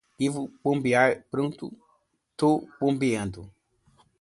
Devo bombear. Pronto, tô bombeando